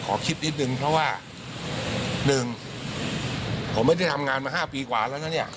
ขอคิดนิดนึงเพราะว่า๑ผมไม่ได้ทำงานมา๕ปีกว่าแล้วนะเนี่ย